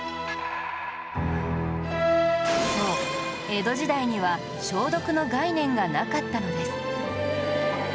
そう江戸時代には消毒の概念がなかったのです